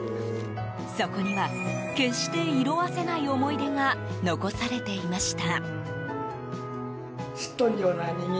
そこには、決して色あせない思い出が残されていました。